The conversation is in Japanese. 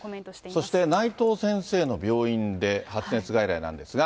そして内藤先生の病院で、発熱外来なんですが。